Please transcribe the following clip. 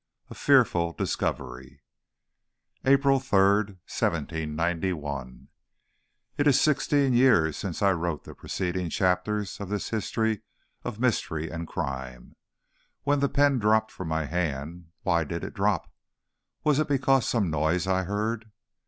A FEARFUL DISCOVERY. APRIL 3, 1791. [Illustration: I] It is sixteen years since I wrote the preceding chapters of this history of mystery and crime. When the pen dropped from my hand why did it drop? Was it because of some noise I heard?